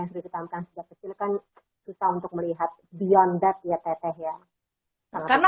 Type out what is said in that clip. yang sedikit angkat setiap kecil kan kita untuk melihat beyond that ya teteh ya karena